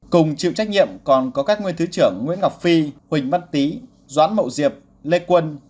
cùng chịu trách nhiệm còn có các nguyên thứ trưởng nguyễn ngọc phi huỳnh mất tý doãn mậu diệp lê quân